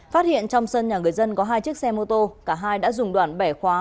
phát hiện trong sân nhà người dân có hai chiếc xe mô tô cả hai đã dùng đoạn bẻ khóa